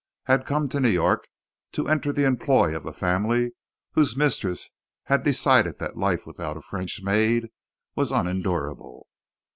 had come to New York to enter the employ of a family whose mistress had decided that life without a French maid was unendurable.